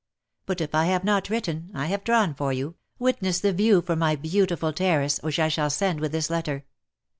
But if I have not written, I have drawn for you — wit ness the view from my beautiful terrace which I shall send with this letter.